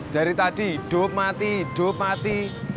dari tadi doop mati doop mati